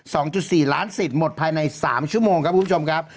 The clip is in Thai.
สองจุดสี่ล้านสิทธิ์หมดภายในสามชั่วโมงครับคุณผู้ชมครับ